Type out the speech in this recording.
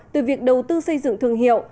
từ việc đầu tư xây dựng thương hiệu